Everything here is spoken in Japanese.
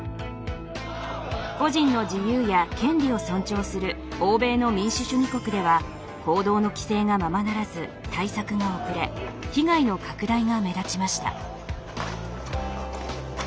個人の自由や権利を尊重する欧米の民主主義国では行動の規制がままならず対策が遅れ被害の拡大が目立ちました。